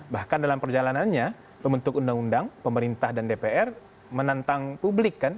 bahkan dalam perjalanannya pembentuk undang undang pemerintah dan dpr menantang publik kan